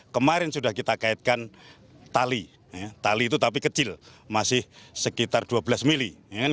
kemarin sudah kita kaitkan tali tali itu tapi kecil masih sekitar dua belas mili